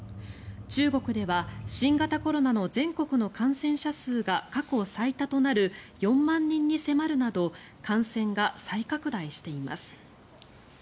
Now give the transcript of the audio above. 中国では新型コロナの全国の感染者数が過去最多となる４万人に迫るなど感染が再拡大しています。